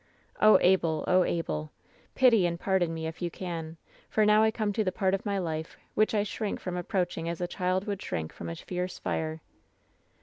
"Oh, Abel ! Oh, Abel 1 Pity and pardon me if you can, for now I come to the part of my life which I shrink from approaching as a child would shrink from a fierce fire.